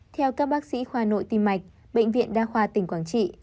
theo các bác sĩ khoa nội tim mạch bệnh viện đa khoa tỉnh quảng trị